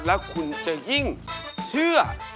แล้วคุณจะยิ่งเชื่อ